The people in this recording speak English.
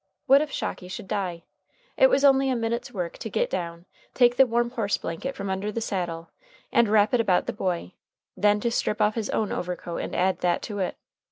What if Shocky should die? It was only a minute's work to get down, take the warm horse blanket from under the saddle, and wrap it about the boy, then to strip off his own overcoat and add that to it.